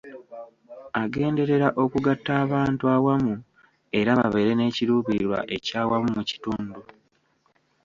Agenderera okugatta abantu awamu era babeere n'ekiruubirirwa ekyawamu mu kitundu.